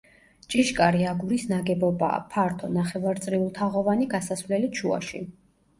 ჭიშკარი აგურის ნაგებობაა, ფართო, ნახევარწრიულთაღოვანი გასასვლელით შუაში.